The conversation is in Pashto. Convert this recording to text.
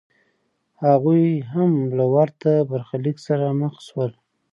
هغوی هم له ورته برخلیک سره مخ شول